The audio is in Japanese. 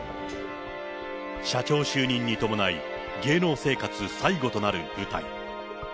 社長就任に伴い、芸能生活最後となる舞台。